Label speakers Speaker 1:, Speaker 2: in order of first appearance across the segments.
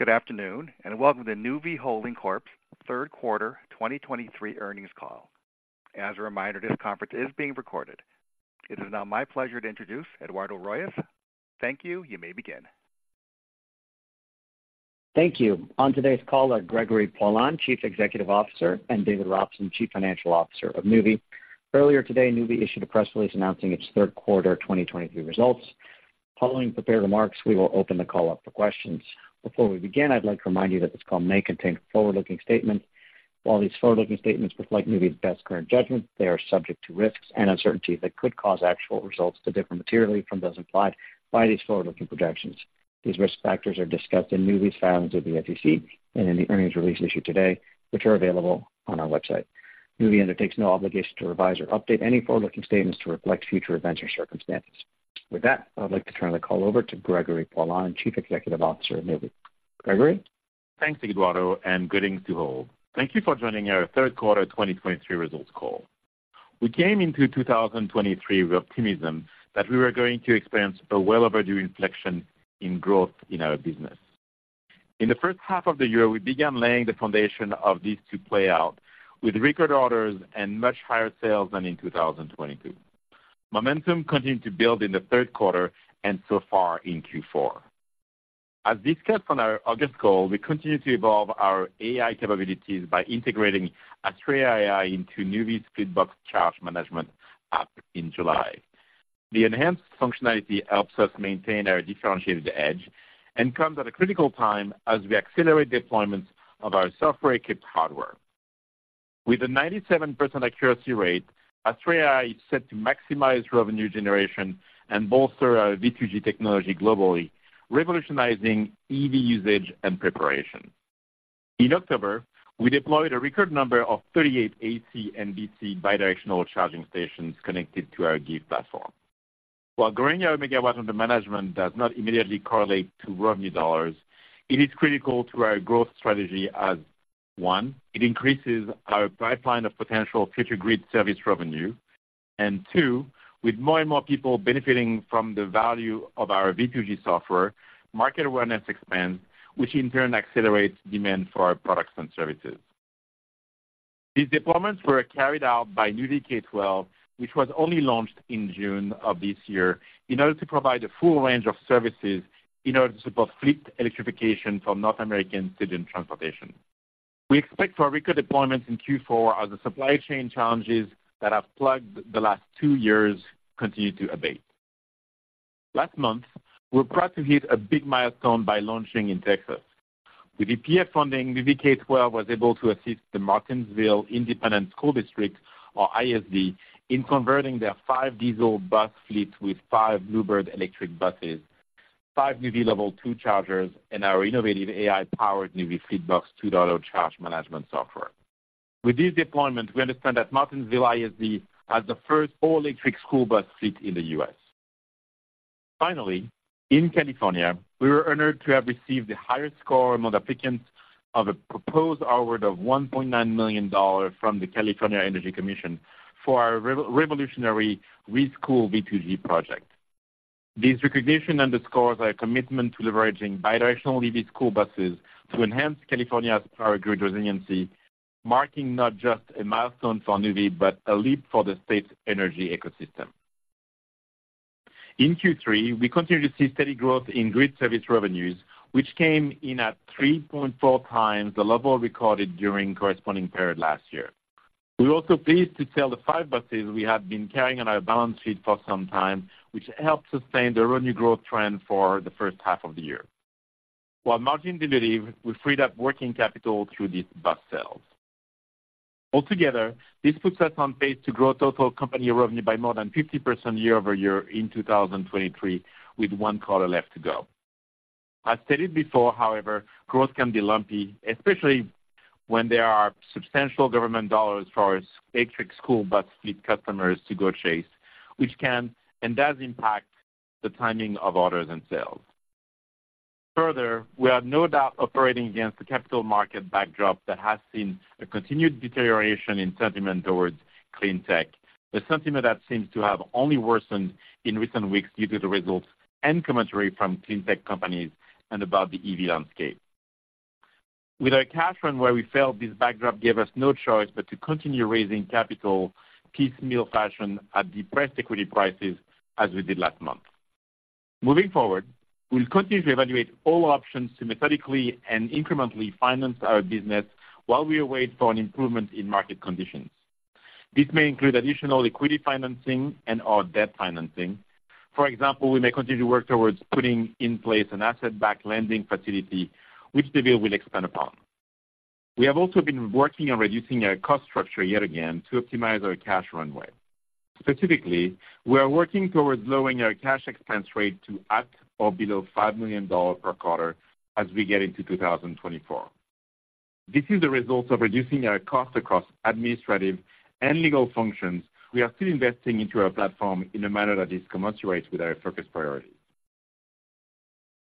Speaker 1: Good afternoon, and welcome to Nuvve Holding Corp's third quarter 2023 earnings call. As a reminder, this conference is being recorded. It is now my pleasure to introduce Eduardo Royes. Thank you. You may begin.
Speaker 2: Thank you. On today's call are Gregory Poilasne, Chief Executive Officer, and David Robson, Chief Financial Officer of Nuvve. Earlier today, Nuvve issued a press release announcing its third quarter 2023 results. Following prepared remarks, we will open the call up for questions. Before we begin, I'd like to remind you that this call may contain forward-looking statements. While these forward-looking statements reflect Nuvve's best current judgment, they are subject to risks and uncertainties that could cause actual results to differ materially from those implied by these forward-looking projections. These risk factors are discussed in Nuvve's filings with the SEC and in the earnings release issued today, which are available on our website. Nuvve undertakes no obligation to revise or update any forward-looking statements to reflect future events or circumstances. With that, I would like to turn the call over to Gregory Poilasne, Chief Executive Officer of Nuvve. Gregory?
Speaker 3: Thanks, Eduardo, and greetings to all. Thank you for joining our third quarter 2023 results call. We came into 2023 with optimism that we were going to experience a well overdue inflection in growth in our business. In the first half of the year, we began laying the foundation of these to play out, with record orders and much higher sales than in 2022. Momentum continued to build in the third quarter and so far in Q4. As discussed on our August call, we continue to evolve our AI capabilities by integrating Astrea AI into Nuvve's FleetBox Charge Management app in July. The enhanced functionality helps us maintain our differentiated edge and comes at a critical time as we accelerate deployments of our software-equipped hardware. With a 97% accuracy rate, Astrea AI is set to maximize revenue generation and bolster our V2G technology globally, revolutionizing EV usage and preparation. In October, we deployed a record number of 38 AC and DC bidirectional charging stations connected to our GIVe platform. While growing our megawatts under management does not immediately correlate to revenue dollars, it is critical to our growth strategy as, one, it increases our pipeline of potential future grid service revenue, and two, with more and more people benefiting from the value of our V2G software, market awareness expands, which in turn accelerates demand for our products and services. These deployments were carried out by Nuvve K-12, which was only launched in June of this year, in order to provide a full range of services in order to support fleet electrification for North American student transportation. We expect a record deployment in Q4 as the supply chain challenges that have plagued the last two years continue to abate. Last month, we were proud to hit a big milestone by launching in Texas. With EPA funding, Nuvve K-12 was able to assist the Martinsville Independent School District, or ISD, in converting their five diesel bus fleet with five Blue Bird electric buses, five Nuvve Level 2 chargers, and our innovative AI-powered Nuvve FleetBox charge management software. With this deployment, we understand that Martinsville ISD has the first all-electric school bus fleet in the U.S. Finally, in California, we were honored to have received the highest score among applicants of a proposed award of $1.9 million from the California Energy Commission for our revolutionary School V2G project. This recognition underscores our commitment to leveraging bidirectional EV school buses to enhance California's power grid resiliency, marking not just a milestone for Nuvve, but a leap for the state's energy ecosystem. In Q3, we continued to see steady growth in grid service revenues, which came in at 3.4x the level recorded during corresponding period last year. We were also pleased to sell the five buses we have been carrying on our balance sheet for some time, which helped sustain the revenue growth trend for the first half of the year. While margin dilutive, we freed up working capital through these bus sales. Altogether, this puts us on pace to grow total company revenue by more than 50% year-over-year in 2023, with one quarter left to go. I've stated before, however, growth can be lumpy, especially when there are substantial government dollars for electric school bus fleet customers to go chase, which can and does impact the timing of orders and sales. Further, we are no doubt operating against the capital market backdrop that has seen a continued deterioration in sentiment towards clean tech, a sentiment that seems to have only worsened in recent weeks due to the results and commentary from clean tech companies and about the EV landscape. With our cash runway where we felt this backdrop gave us no choice but to continue raising capital piecemeal fashion at depressed equity prices, as we did last month. Moving forward, we'll continue to evaluate all options to methodically and incrementally finance our business while we wait for an improvement in market conditions. This may include additional equity financing and/or debt financing. For example, we may continue to work towards putting in place an asset-backed lending facility, which David will expand upon. We have also been working on reducing our cost structure yet again to optimize our cash runway. Specifically, we are working towards lowering our cash expense rate to at or below $5 million per quarter as we get into 2024. This is the result of reducing our costs across administrative and legal functions. We are still investing into our platform in a manner that is commensurate with our focus priority.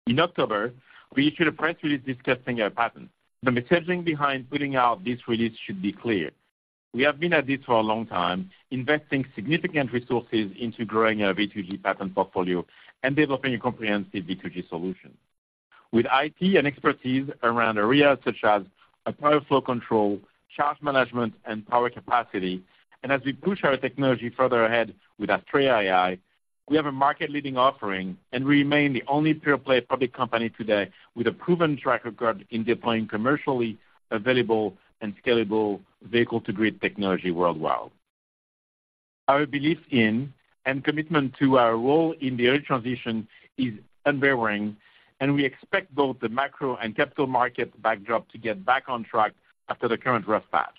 Speaker 3: In October, we issued a press release discussing our patents. The messaging behind putting out this release should be clear. We have been at this for a long time, investing significant resources into growing our V2G patent portfolio and developing a comprehensive V2G solution. With IT and expertise around areas such as power flow control, charge management, and power capacity, and as we push our technology further ahead with our Astrea AI, we have a market-leading offering and remain the only pure-play public company today with a proven track record in deploying commercially available and scalable vehicle-to-grid technology worldwide. Our belief in and commitment to our role in the energy transition is unwavering, and we expect both the macro and capital market backdrop to get back on track after the current rough patch.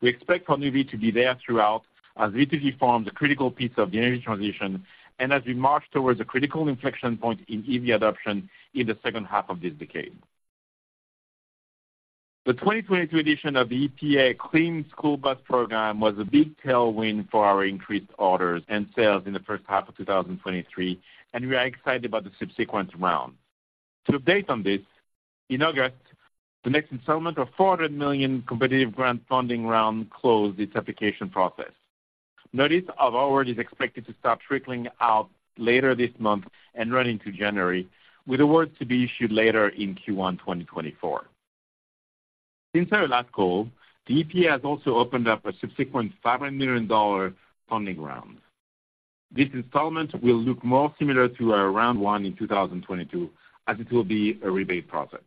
Speaker 3: We expect for Nuvve to be there throughout, as V2G forms a critical piece of the energy transition and as we march towards a critical inflection point in EV adoption in the second half of this decade. The 2022 edition of the EPA Clean School Bus Program was a big tailwind for our increased orders and sales in the first half of 2023, and we are excited about the subsequent round. To update on this, in August, the next installment of $400 million competitive grant funding round closed its application process. Notice of award is expected to start trickling out later this month and run into January, with awards to be issued later in Q1, 2024. Since our last call, the EPA has also opened up a subsequent $500 million funding round. This installment will look more similar to our round one in 2022, as it will be a rebate process.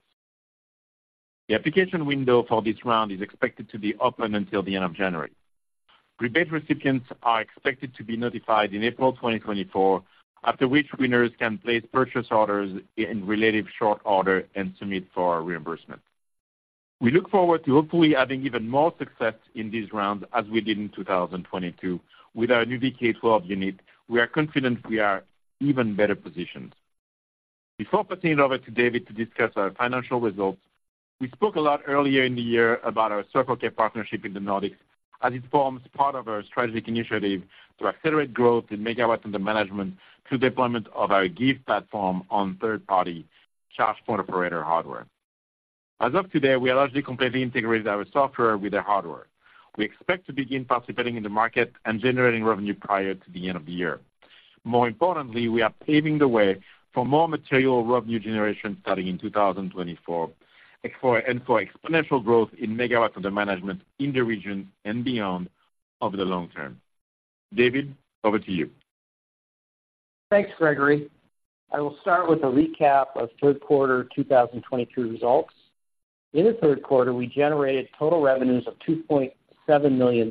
Speaker 3: The application window for this round is expected to be open until the end of January. Rebate recipients are expected to be notified in April 2024, after which winners can place purchase orders in relatively short order and submit for reimbursement. We look forward to hopefully having even more success in this round as we did in 2022. With our Nuvve K-12 unit, we are confident we are even better positioned. Before passing it over to David to discuss our financial results, we spoke a lot earlier in the year about our Circle K partnership in the Nordics, as it forms part of our strategic initiative to accelerate growth in megawatts under management through deployment of our GIVe platform on third-party charge point operator hardware. As of today, we have largely completely integrated our software with their hardware. We expect to begin participating in the market and generating revenue prior to the end of the year. More importantly, we are paving the way for more material revenue generation starting in 2024 and for exponential growth in Megawatts Under Management in the region and beyond over the long term. David, over to you.
Speaker 4: Thanks, Gregory. I will start with a recap of third quarter 2023 results. In the third quarter, we generated total revenues of $2.7 million,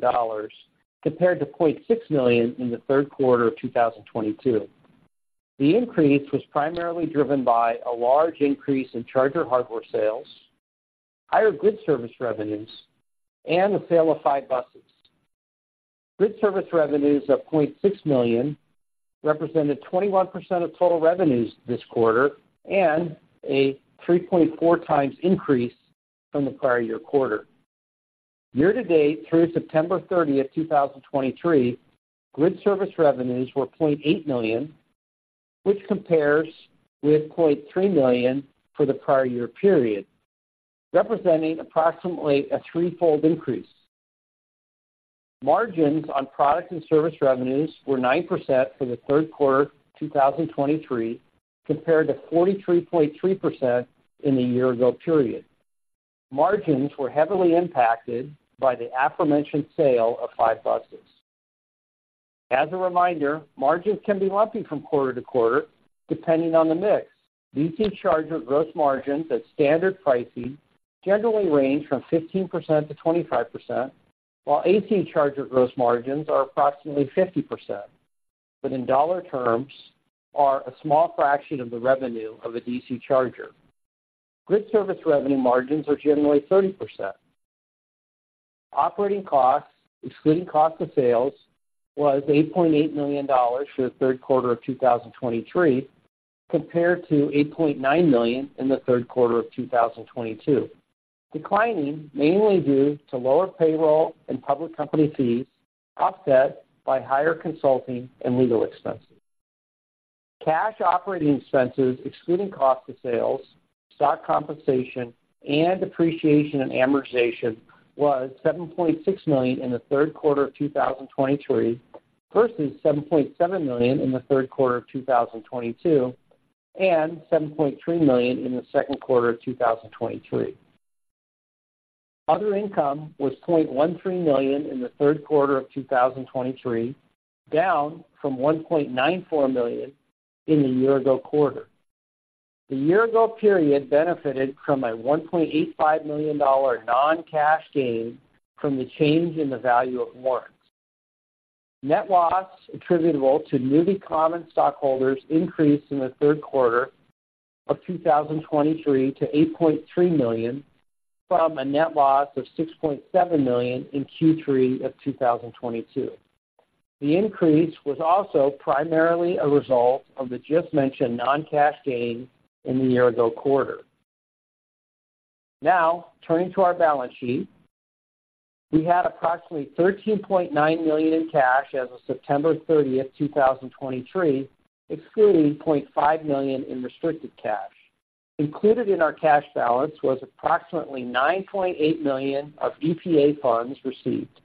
Speaker 4: compared to $0.6 million in the third quarter of 2022. The increase was primarily driven by a large increase in charger hardware sales, higher grid service revenues, and the sale of five buses. Grid service revenues of $0.6 million represented 21% of total revenues this quarter and a 3.4x increase from the prior year quarter. Year-to-date through September thirtieth, 2023, grid service revenues were $0.8 million, which compares with $0.3 million for the prior year period, representing approximately a threefold increase. Margins on products and service revenues were 9% for the third quarter 2023, compared to 43.3% in the year ago period. Margins were heavily impacted by the aforementioned sale of five buses. As a reminder, margins can be lumpy from quarter to quarter, depending on the mix. DC charger gross margins at standard pricing generally range from 15%-25%, while AC charger gross margins are approximately 50%, but in dollar terms are a small fraction of the revenue of a DC charger. Grid service revenue margins are generally 30%. Operating costs, excluding cost of sales, was $8.8 million for the third quarter of 2023, compared to $8.9 million in the third quarter of 2022. Declining, mainly due to lower payroll and public company fees, offset by higher consulting and legal expenses. Cash operating expenses, excluding cost of sales, stock compensation, and depreciation and amortization, was $7.6 million in the third quarter of 2023, versus $7.7 million in the third quarter of 2022, and $7.3 million in the second quarter of 2023. Other income was $0.13 million in the third quarter of 2023, down from $1.94 million in the year ago quarter. The year ago period benefited from a $1.85 million non-cash gain from the change in the value of warrants. Net loss attributable to Nuvve common stockholders increased in the third quarter of 2023 to $8.3 million from a net loss of $6.7 million in Q3 of 2022. The increase was also primarily a result of the just-mentioned non-cash gain in the year ago quarter. Now, turning to our balance sheet. We had approximately $13.9 million in cash as of September 30, 2023, excluding $0.5 million in restricted cash. Included in our cash balance was approximately $9.8 million of EPA funds received.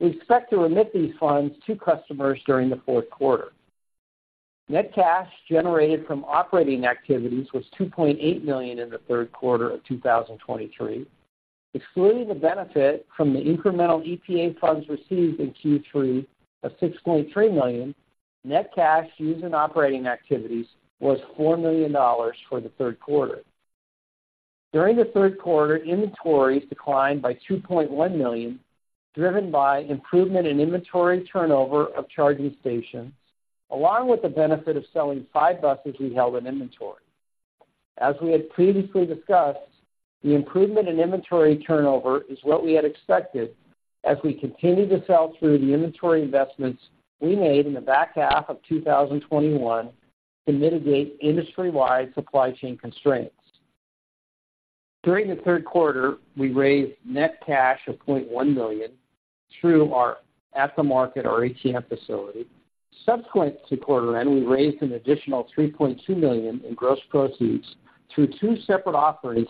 Speaker 4: We expect to remit these funds to customers during the fourth quarter. Net cash generated from operating activities was $2.8 million in the third quarter of 2023. Excluding the benefit from the incremental EPA funds received in Q3 of $6.3 million, net cash used in operating activities was $4 million for the third quarter. During the third quarter, inventories declined by $2.1 million, driven by improvement in inventory turnover of charging stations, along with the benefit of selling five buses we held in inventory. As we had previously discussed, the improvement in inventory turnover is what we had expected as we continue to sell through the inventory investments we made in the back half of 2021 to mitigate industry-wide supply chain constraints. During the third quarter, we raised net cash of $0.1 million through our at-the-market, or ATM, facility. Subsequent to quarter end, we raised an additional $3.2 million in gross proceeds through two separate offerings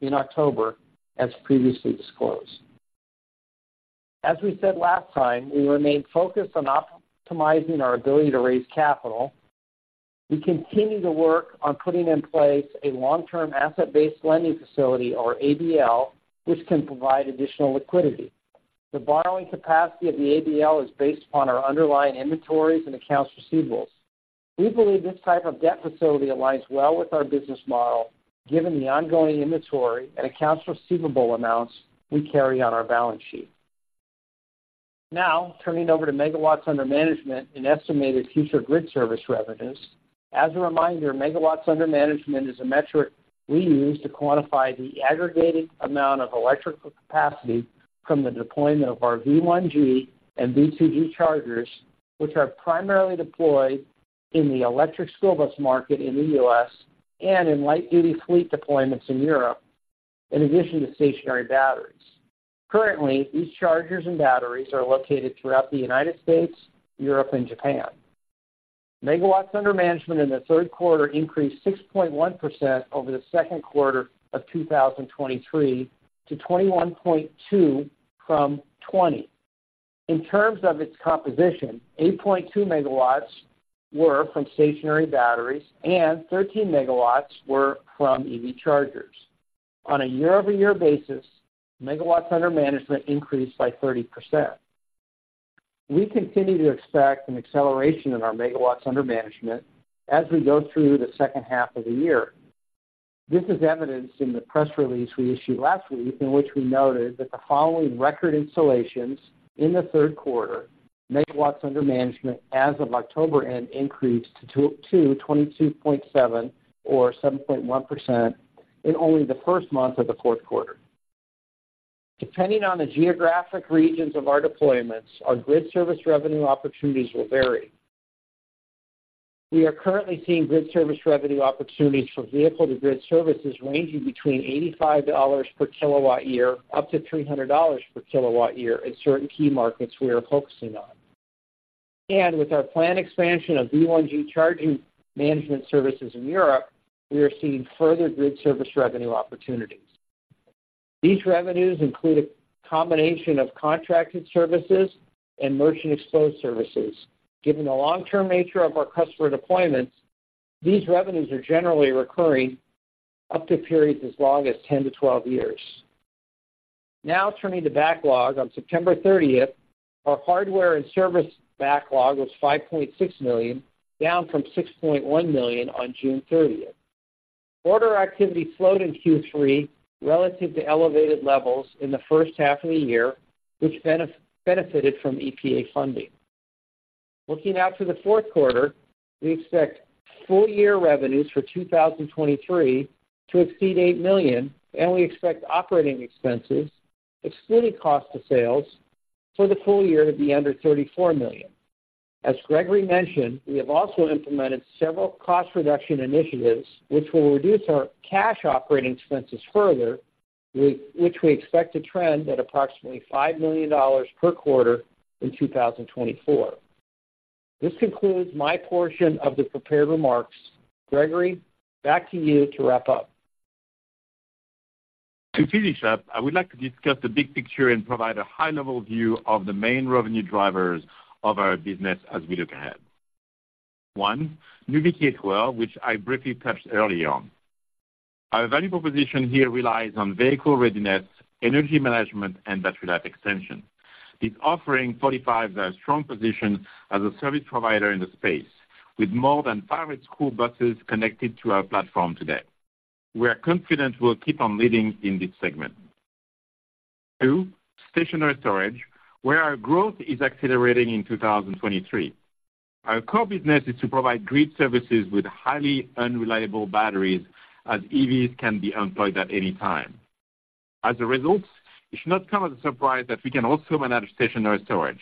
Speaker 4: in October, as previously disclosed. As we said last time, we remain focused on optimizing our ability to raise capital. We continue to work on putting in place a long-term asset-based lending facility, or ABL, which can provide additional liquidity. The borrowing capacity of the ABL is based upon our underlying inventories and accounts receivable. We believe this type of debt facility aligns well with our business model, given the ongoing inventory and accounts receivable amounts we carry on our balance sheet. Now, turning over to Megawatts Under Management and estimated future grid services revenues. As a reminder, Megawatts Under Management is a metric we use to quantify the aggregated amount of electrical capacity from the deployment of our V1G and V2G chargers, which are primarily deployed in the electric school bus market in the U.S. and in light-duty fleet deployments in Europe, in addition to stationary batteries. Currently, these chargers and batteries are located throughout the United States, Europe, and Japan. Megawatts under management in the third quarter increased 6.1% over the second quarter of 2023, to 21.2 from 20. In terms of its composition, 8.2 MW were from stationary batteries, and 13 MW were from EV chargers. On a year-over-year basis, megawatts under management increased by 30%. We continue to expect an acceleration in our megawatts under management as we go through the second half of the year. This is evidenced in the press release we issued last week, in which we noted that the following record installations in the third quarter, megawatts under management as of October end increased to 22.7%, or 7.1%, in only the first month of the fourth quarter. Depending on the geographic regions of our deployments, our grid service revenue opportunities will vary. We are currently seeing grid service revenue opportunities for vehicle-to-grid services ranging between $85 per kW-year up to $300 per kW-year in certain key markets we are focusing on. And with our planned expansion of V1G charging management services in Europe, we are seeing further grid service revenue opportunities. These revenues include a combination of contracted services and merchant exposed services. Given the long-term nature of our customer deployments, these revenues are generally recurring up to periods as long as 10-12 years. Now, turning to backlog. On September 30th, our hardware and service backlog was $5.6 million, down from $6.1 million on June 30th. Order activity slowed in Q3 relative to elevated levels in the first half of the year, which benefited from EPA funding. Looking out to the fourth quarter, we expect full year revenues for 2023 to exceed $8 million, and we expect operating expenses, excluding cost of sales, for the full year to be under $34 million. As Gregory mentioned, we have also implemented several cost reduction initiatives, which will reduce our cash operating expenses further, which we expect to trend at approximately $5 million per quarter in 2024. This concludes my portion of the prepared remarks. Gregory, back to you to wrap up.
Speaker 3: To finish up, I would like to discuss the big picture and provide a high-level view of the main revenue drivers of our business as we look ahead. One, Nuvve V2G, well, which I briefly touched earlier on. Our value proposition here relies on vehicle readiness, energy management, and battery life extension. This offering solidifies our strong position as a service provider in the space, with more than five school buses connected to our platform today. We are confident we'll keep on leading in this segment. Two, stationary storage, where our growth is accelerating in 2023. Our core business is to provide grid services with highly unreliable batteries, as EVs can be unplugged at any time. As a result, it should not come as a surprise that we can also manage stationary storage.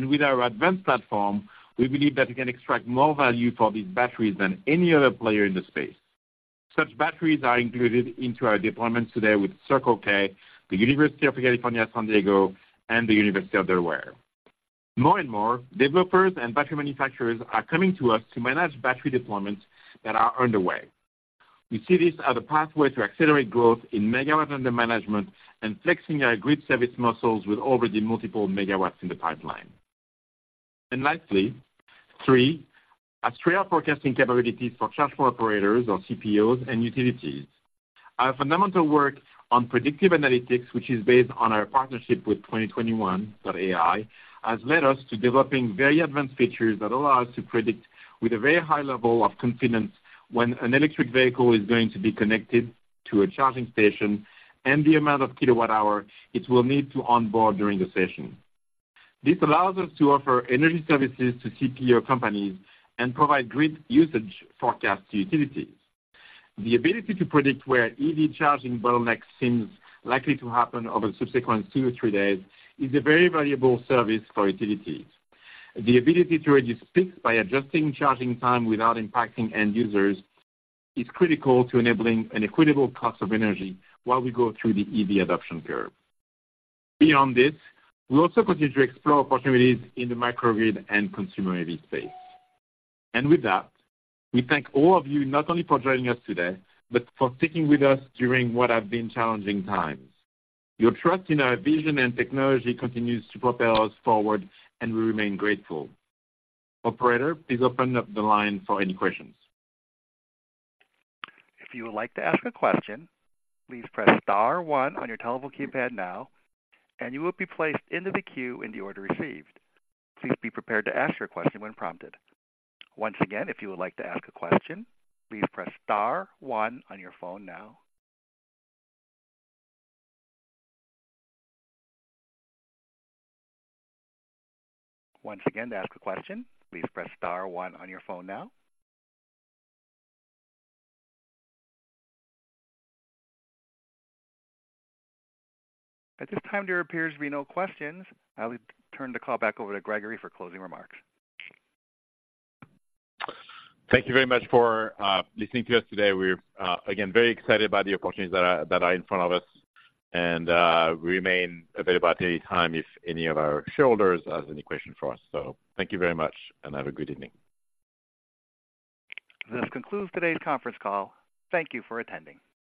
Speaker 3: With our advanced platform, we believe that we can extract more value for these batteries than any other player in the space. Such batteries are included into our deployments today with Circle K, the University of California, San Diego, and the University of Delaware. More and more, developers and battery manufacturers are coming to us to manage battery deployments that are underway. We see this as a pathway to accelerate growth in megawatts under management and flexing our grid services muscles with already multiple megawatts in the pipeline. Lastly, three, our three forecasting capabilities for charge point operators or CPOs and utilities. Our fundamental work on predictive analytics, which is based on our partnership with 2021.AI, has led us to developing very advanced features that allow us to predict with a very high level of confidence when an electric vehicle is going to be connected to a charging station and the amount of kilowatt hour it will need to onboard during the session. This allows us to offer energy services to CPO companies and provide grid usage forecasts to utilities. The ability to predict where EV charging bottlenecks seems likely to happen over the subsequent two or three days is a very valuable service for utilities. The ability to reduce peaks by adjusting charging time without impacting end users is critical to enabling an equitable cost of energy while we go through the EV adoption curve. Beyond this, we also continue to explore opportunities in the microgrid and consumer EV space. With that, we thank all of you, not only for joining us today, but for sticking with us during what have been challenging times. Your trust in our vision and technology continues to propel us forward, and we remain grateful. Operator, please open up the line for any questions.
Speaker 1: If you would like to ask a question, please press star one on your telephone keypad now, and you will be placed into the queue in the order received. Please be prepared to ask your question when prompted. Once again, if you would like to ask a question, please press star one on your phone now. Once again, to ask a question, please press star one on your phone now. At this time, there appears to be no questions. I will turn the call back over to Gregory for closing remarks.
Speaker 3: Thank you very much for listening to us today. We're again very excited about the opportunities that are in front of us, and we remain available at any time if any of our shareholders has any questions for us. So thank you very much and have a good evening.
Speaker 1: This concludes today's conference call. Thank you for attending.